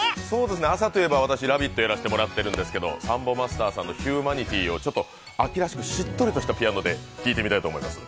朝といえば「ラヴィット！」やらせてもらってるんですけどサンボマスターさんの「ヒューマニティ！」を秋らしくしっとりとしたピアノで聴いてみたいと思います。